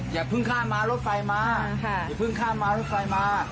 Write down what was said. อย่าเพิ่งข้ามรถไฟมา